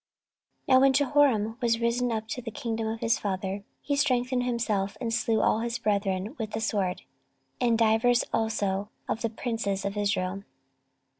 14:021:004 Now when Jehoram was risen up to the kingdom of his father, he strengthened himself, and slew all his brethren with the sword, and divers also of the princes of Israel.